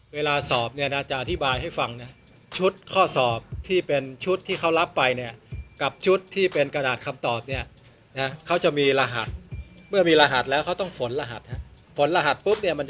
ปรากฏว่าตอบถูกหมดเลย๑๕๐ข้อถูกหมด